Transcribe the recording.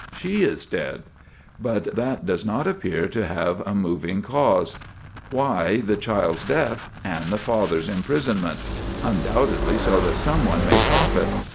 She is dead: but that does not appear to have a moving cause. Why the child's death and the father's imprisonment? Undoubtedly so that someone may profit.